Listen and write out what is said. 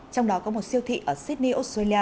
trong đó có một siêu thị ở sydney australia